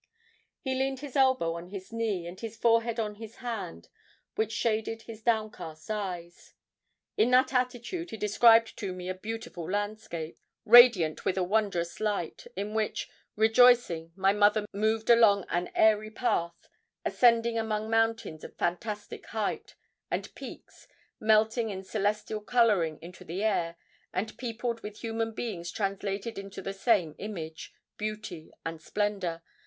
He leaned his elbow on his knee, and his forehead on his hand, which shaded his downcast eyes. In that attitude he described to me a beautiful landscape, radiant with a wondrous light, in which, rejoicing, my mother moved along an airy path, ascending among mountains of fantastic height, and peaks, melting in celestial colouring into the air, and peopled with human beings translated into the same image, beauty, and splendour.